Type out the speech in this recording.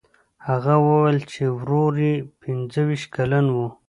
هغه وویل چې ورور یې پنځه ویشت کلن و.